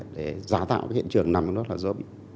để giả tạo cái hiện trường nằm trong đó là do